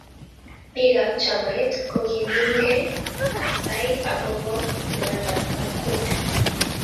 Biik ab chamait kokinemke kosai akobo imanda ab kokwet